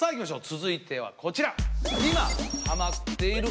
続いてはこちら。